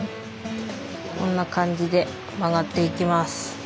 こんな感じで曲がっていきます。